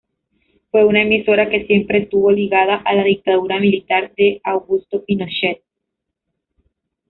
Fue una emisora que siempre estuvo ligada a la dictadura militar de Augusto Pinochet.